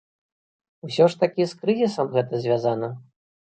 Усё ж такі з крызісам гэта звязана?